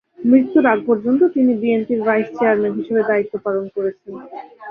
মৃত্যুর আগ পর্যন্ত তিনি বিএনপির ভাইস চেয়ারম্যান হিসেবে দায়িত্ব পালন করেছেন।